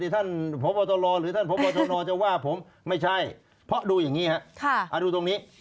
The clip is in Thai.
ที่ท่านหรือท่านจะว่าผมไม่ใช่เพราะดูอย่างงี้ฮะค่ะอ่าดูตรงนี้